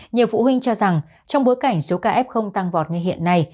nhiều phụ huynh cho rằng trong bối cảnh số ca f tăng vọt như hiện nay